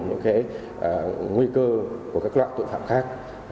những nguy cơ của các loại tội phạm khác